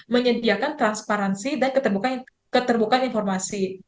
menyediakan transparansi dan keterbukaan informasi